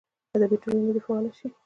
ادبي ټولنې دې فعاله سي.